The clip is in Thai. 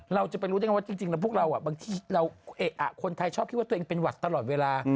เราจะไปรู้ได้ไงว่าจริงแล้วพวกเราบางทีคนไทยชอบคิดว่าตัวเองเป็นหวัดตลอดเวลา